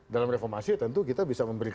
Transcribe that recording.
dalam reformasi tentu kita bisa menyebutnya itu